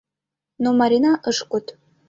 Но Марина ыш код.